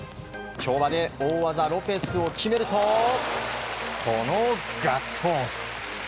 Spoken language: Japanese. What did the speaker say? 跳馬で大技ロペスを決めるとこのガッツポーズ！